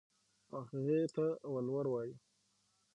او هغې ته ولور وايو.